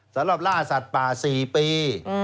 สำหรับล่าสัตว์ปลา๔ปี